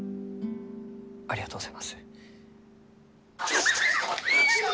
ありがとうございます。